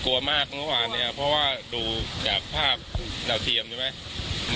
กลัวมากเมื่อวานเนี่ยเพราะว่าดูจากภาพดาวเทียมใช่ไหม